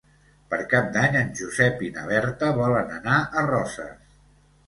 Per Cap d'Any en Josep i na Berta volen anar a Roses.